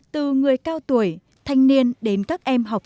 từ người cao tuổi thanh niên đến các em học sinh